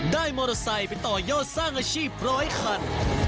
ได้มอเตอร์ไซค์ไปต่อยอดสร้างอาชีพร้อยคัน